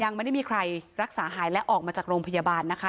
ยังไม่ได้มีใครรักษาหายและออกมาจากโรงพยาบาลนะคะ